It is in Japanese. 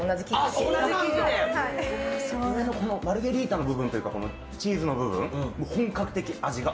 上のマルゲリータの部分というかチーズの部分、本格的、味が。